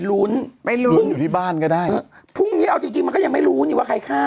รุ้นเลยรุ่นที่บ้านก็ได้ที่สิมันจะยังไม่รู้นี่ว่าใครฆ่า